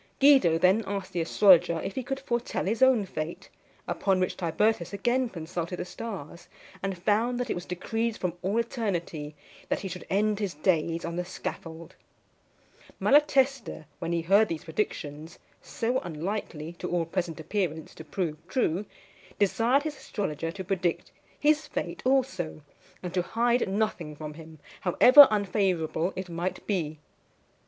Guido then asked the astrologer if he could foretell his own fate; upon which Tibertus again consulted the stars, and found that it was decreed from all eternity that he should end his days on the scaffold. Malatesta, when he heard these predictions, so unlikely, to all present appearance, to prove true, desired his astrologer to predict his fate also, and to hide nothing from him, however unfavourable it might be.